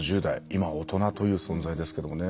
今、大人という存在ですけどもね。